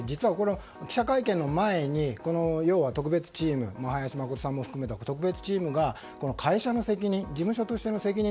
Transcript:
記者会見の前に林眞琴さんも含めた特別チームが会社の責任、事務所としての責任